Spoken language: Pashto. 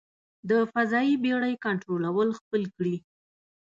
د فضايي بېړۍ کنټرول خپل کړي.